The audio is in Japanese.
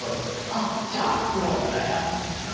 あっじゃあ作ろうみたいな。